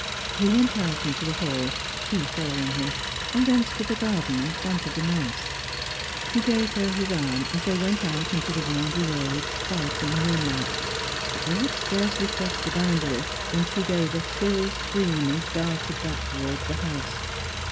He went out into the hall, she following him, and thence to the garden in front of the manse. He gave her his arm as they went out into the windy road, white in the moonlight, but they had scarcely crossed the boundary when she gave a shrill scream and darted back towards the house.